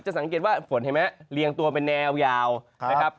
สังเกตว่าฝนเห็นไหมเรียงตัวเป็นแนวยาวนะครับ